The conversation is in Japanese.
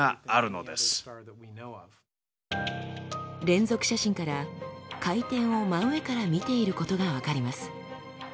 連続写真から回転を真上から見ていることが分かります。